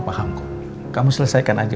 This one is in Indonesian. paham kok kamu selesaikan aja